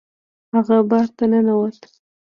هغه بار ته ننوت.